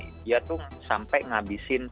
dia tuh sampai ngabisin